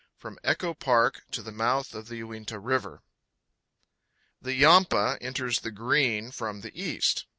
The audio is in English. FROM ECHO PARK TO THE MOUTH OF THE UINTA RIVER. THE Yampa enters the Green from the east.